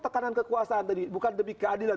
tekanan kekuasaan tadi bukan demi keadilan